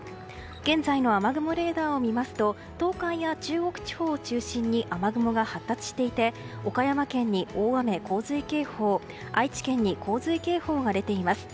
現在の雨雲レーダーを見ますと東海や中国地方を中心に雨雲が発達していて岡山県に大雨・洪水警報愛知県に洪水警報が出ています。